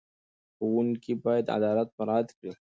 ښوونکي باید عدالت مراعت کړي.